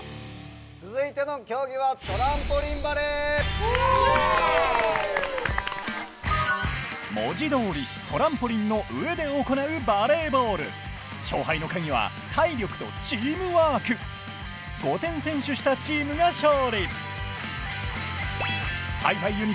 続いての競技は・イエーイ文字どおりトランポリンの上で行うバレーボール勝敗のカギは体力とチームワーク５点先取したチームが勝利Ｈｉ−ＦｉＵｎ！